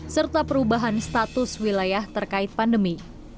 serta perubahan status wilayah terkait pandemi